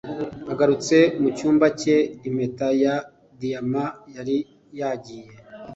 Agarutse mucyumba cye impeta ya diyama yari yagiye